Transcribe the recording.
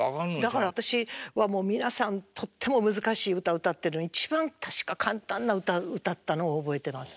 だから私はもう皆さんとっても難しい歌歌ってるのに一番確か簡単な歌歌ったのを覚えてます。